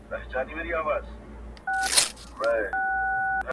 عمر تېر سو زه په صبر نه مړېږم!.